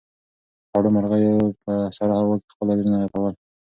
خړو مرغیو په سړه هوا کې خپل وزرونه رپول.